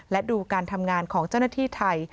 และดูการทำงานของเจ้าหน้าที่ไทย